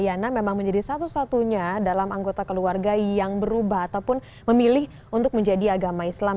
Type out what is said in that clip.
yana memang menjadi satu satunya dalam anggota keluarga yang berubah ataupun memilih untuk menjadi agama islam